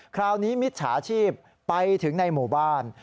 คราวนี้มิจฉาญชีพไปถึงในหมู่บ้าน